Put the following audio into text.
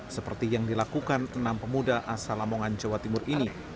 seperti yang dilakukan enam pemuda asal lamongan jawa timur ini